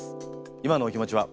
今のお気持ちは？